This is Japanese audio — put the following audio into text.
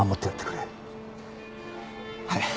はい。